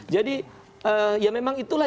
jadi ya memang itulah